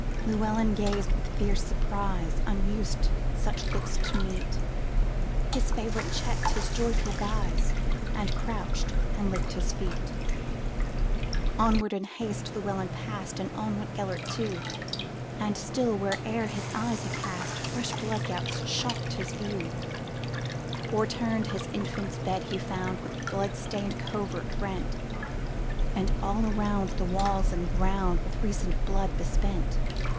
Llewelyn gazed with fierce surprise; Unused such looks to meet, His favorite checked his joyful guise, And crouched and licked his feet. Onward, in haste, Llewelyn passed, And on went Gêlert too; And still, where'er his eyes he cast, Fresh blood gouts shocked his view. O'erturned his infant's bed he found, With blood stained covert rent; And all around the walls and groundWith recent blood besprent.